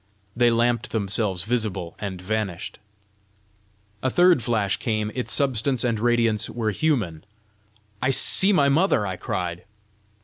They lamped themselves visible, and vanished. A third flash came; its substance and radiance were human. "I see my mother!" I cried.